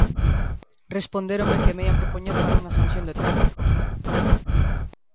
Respondéronme que me ían propoñer para unha sanción de tráfico.